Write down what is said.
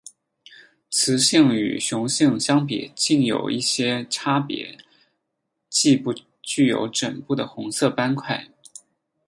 雌性与雄性相比近有一点差别即不具有枕部的红色斑块。